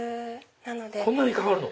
こんなに変わるの？